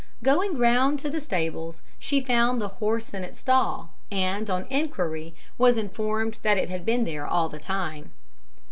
Going round to the stables she found the horse in its stall, and on enquiry was informed that it had been there all the time.